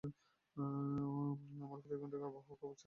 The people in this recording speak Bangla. আমার প্রতি ঘন্টার আবহাওয়ার খবর চাই, তোমাদের দিয়ে কি কিছুই হবে না?